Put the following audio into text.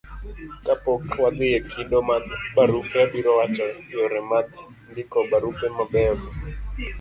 kapok wadhi e kido mag barupe, abiro wacho yore mag ndiko barupe mabeyo gi